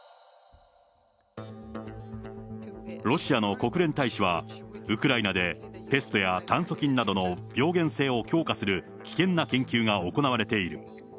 ロシアの国連大使は、ウクライナでペストや炭そ菌などの病原性を強化する危険な研究が行われている。